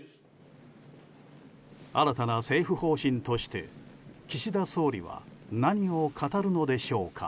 新たな政府方針として岸田総理は何を語るのでしょうか。